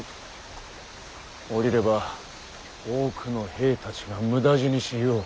下りれば多くの兵たちが無駄死にしよう。